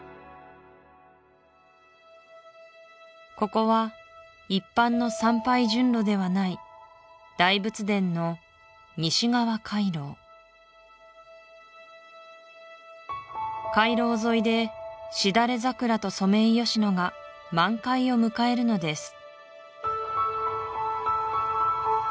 ここは一般の参拝順路ではない大仏殿の西側廻廊廻廊沿いでシダレザクラとソメイヨシノが満開を迎えるのです